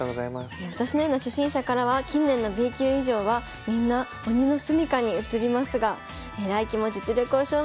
「私のような初心者からは近年のＢ級以上はみんな鬼のすみかに映りますが来期も実力を証明してください」というお便りです。